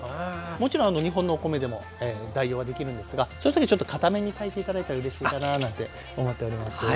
もちろん日本のお米でも代用はできるんですがそういう時はちょっとかために炊いて頂いたらうれしいかななんて思っております。